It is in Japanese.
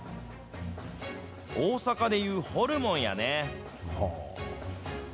大阪でいうホルモンやね。